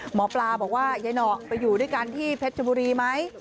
หมอปลาบอกว่ายายหนอกไปอยู่ด้วยกันที่เพชรบุรีไหม